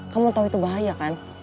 kamu tahu itu bahaya kan